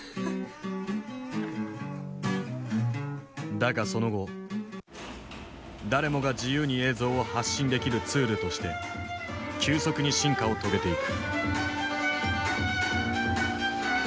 だがその後誰もが自由に映像を発信できるツールとして急速に進化を遂げていく。